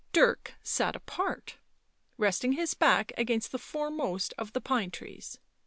Dirk sat apart, resting his back against the foremost of the pine trees.